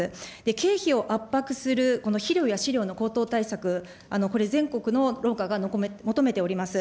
経費を圧迫する、肥料や飼料の高騰対策、これ、全国の農家が求めております。